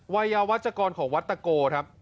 วัยวาจกรของวัดตะโกนะครับ